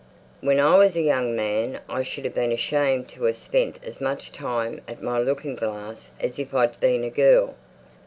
"When I was a young man I should have been ashamed to have spent as much time at my looking glass as if I'd been a girl.